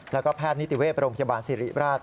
แล้วก็แพทย์นิติเวศโรงพยาบาลศิริราช